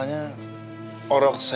orangnya cuma pilihan mamahnya gitu ya kan